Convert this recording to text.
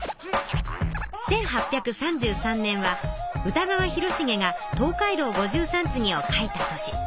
１８３３年は歌川広重が「東海道五十三次」を描いた年。